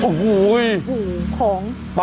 จัดกระบวนพร้อมกัน